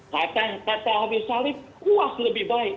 kata habib salim uas lebih baik